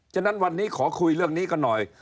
ฉะนั้นวันนี้ขอคุยเรื่องนี้กันหน่อย